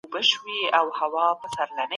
علامه رشاد د افغاني ادب د پرمختګ یو لوی لاس وو.